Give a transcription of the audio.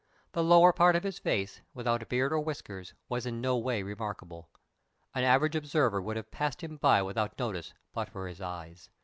The lower part of his face, without beard or whiskers, was in no way remarkable. An average observer would have passed him by without notice but for his eyes.